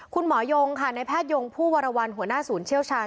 คุณหมอยงค่ะในแพทยงผู้วรวรรณหัวหน้าศูนย์เชี่ยวชาญ